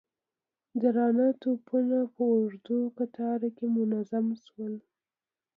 درانه توپونه په اوږده کتار کې منظم شول.